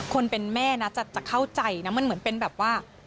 คนเป็นแม่นะจะเข้าใจนะมันเหมือนเป็นแบบว่า